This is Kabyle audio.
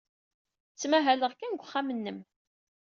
Ttmahaleɣ kan deg uxxam-nnem.